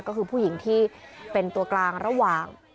ก็คือผู้หญิงที่เป็นตัวกลางระหว่าง